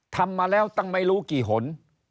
ทำมาแล้วตั้งไม่รู้กี่หน